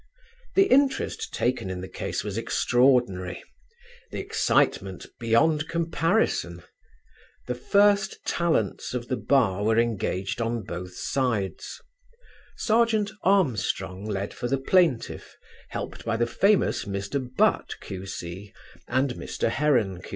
The interest taken in the case was extraordinary: the excitement beyond comparison; the first talents of the Bar were engaged on both sides; Serjeant Armstrong led for the plaintiff, helped by the famous Mr. Butt, Q.C., and Mr. Heron, Q.C.